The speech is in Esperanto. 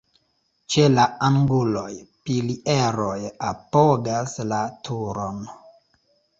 Ĉe la anguloj pilieroj apogas la turon.